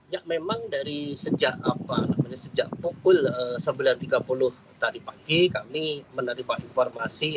ya memang dari sejak pukul sembilan tiga puluh tadi pagi kami menerima informasi